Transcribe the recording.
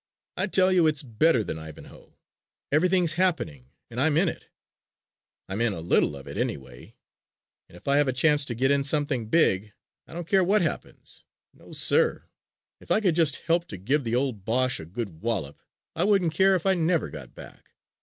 I tell you it's better than 'Ivanhoe.' Everything's happening and I'm in it. I'm in a little of it, anyway. And if I have a chance to get in something big I don't care what happens. No, sir, if I could just help to give the old Boche a good wallop I wouldn't care if I never got back.